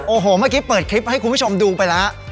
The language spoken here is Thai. โอ้โหเมื่อกี้เปิดคลิปให้คุณผู้ชมดูไปแล้ว